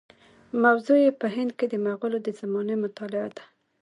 موضوع یې په هند کې د مغولو د زمانې مطالعه ده.